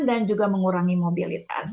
dan juga mengurangi mobilitas